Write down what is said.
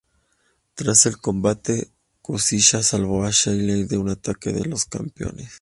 Tras el combate, Kushida salvó a Shelley de un ataque de los campeones.